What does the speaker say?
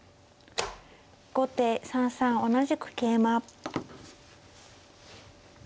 後手３三同じく桂馬。